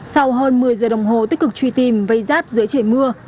sau hơn một mươi giờ đồng hồ tích cực truy tìm vây giáp dưới trời mưa